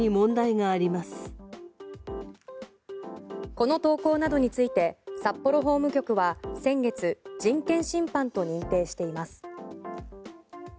この投稿などについて札幌法務局は先月人権侵犯と認定しています。